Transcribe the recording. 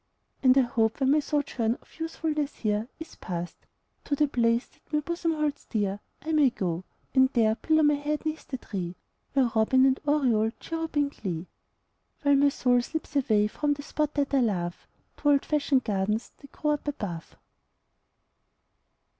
And I hope when my sojourn of usefulness here Is past, to the place that my bosom holds dear I may go, and there pillow my head 'neath the tree Where robin and oriole chirrup in glee, While my soul slips away from the spot that I love, To old fashioned gardens that grow up above.